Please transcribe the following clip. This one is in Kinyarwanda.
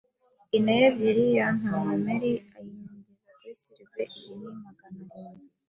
“Gineya ebyiri!” yatontomye Merry, ayinyeganyeza kuri Silver. “Iyo ni magana arindwi